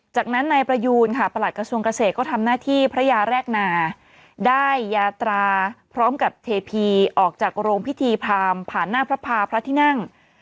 จากนั้นนายประยูนค่ะประหลัดกระทรวงเกษตรก็ทำหน้าที่พระยาแรกนาได้ยาตราพร้อมกับเทพีออกจากโรงพิธีพรามผ่านหน้าพระพาพระที่นั่ง